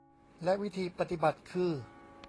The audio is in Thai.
และวิธีปฏิบัติคือ